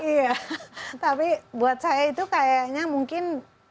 iya tapi buat saya itu kayaknya mungkin